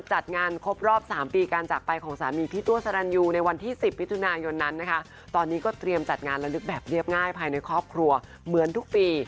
จัดงานละลึกแบบเรียบง่ายภายในครอบครัวเหมือนทุกปี